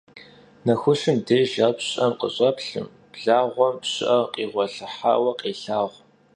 Nexuşım dêjj ar pşı'em khış'eplhım, blağuem pşı'er khiğuelhıhaue khêlhağu.